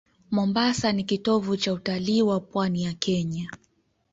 Mombasa ni kitovu cha utalii wa pwani ya Kenya.